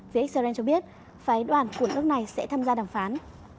phía israel cho biết phái đoàn của nước này sẽ tham gia đàm phán